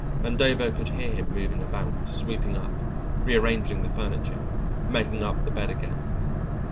Vandover could hear him moving about, sweeping up, rearranging the furniture, making up the bed again.